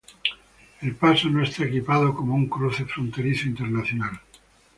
El paso no está equipado como un cruce fronterizo internacional.